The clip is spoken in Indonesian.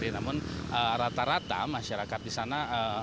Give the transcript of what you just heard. namun rata rata masyarakat di sana